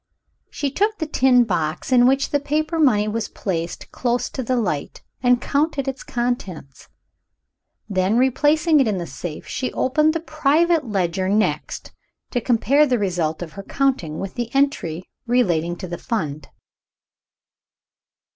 She took the tin box in which the paper money was placed close to the light, and counted its contents. Then, replacing it in the safe, she opened the private ledger next, to compare the result of her counting with the entry relating to the Fund.